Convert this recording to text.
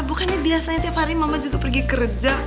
bukannya biasanya tiap hari mama juga pergi kerja